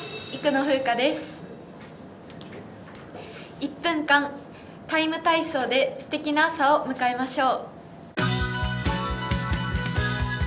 １分間「ＴＩＭＥ，体操」ですてきな朝を迎えましょう。